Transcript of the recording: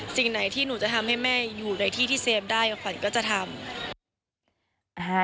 สิ่งไหนที่หนูจะทำให้แม่อยู่ในที่ที่เซฟได้กับขวัญก็จะทำ